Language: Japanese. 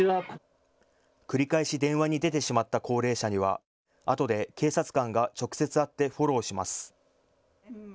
繰り返し電話に出てしまった高齢者には、あとで警察官が直接会ってフォローします。